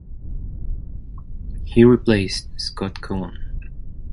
He replaced Scott Cowan.